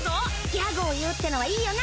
ギャグを言うってのはいいよな？